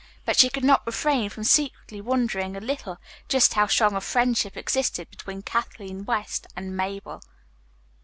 But she could not refrain from secretly wondering a little just how strong a friendship existed between Kathleen West and Mabel.